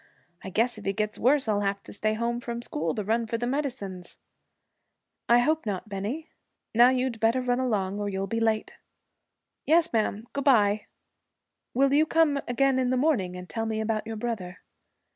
I guess if he gets worse I'll have to stay home from school to run for the medicines.' 'I hope not Bennie. Now you'd better run along, or you'll be late.' 'Yes, ma'am. Good bye.' 'Will you come again in the morning and tell me about your brother?'